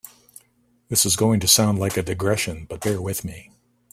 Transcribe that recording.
This is going to sound like a digression, but bear with me.